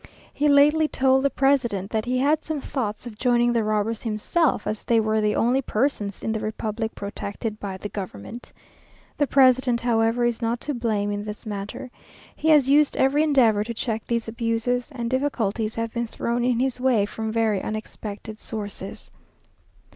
He lately told the president that he had some thoughts of joining the robbers himself, as they were the only persons in the republic protected by the government. The president, however, is not to blame in this matter. He has used every endeavour to check these abuses; and difficulties have been thrown in his way from very unexpected sources....